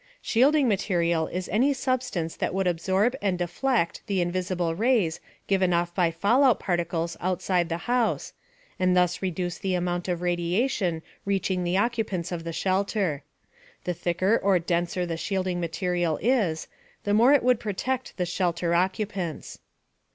Shielding material is any substance that would absorb and deflect the invisible rays given off by fallout particles outside the house, and thus reduce the amount of radiation reaching the occupants of the shelter. The thicker or denser the shielding material is, the more it would protect the shelter occupants.